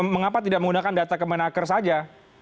mengapa tidak menggunakan data kemenaker saja